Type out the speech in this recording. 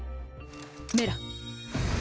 メラ！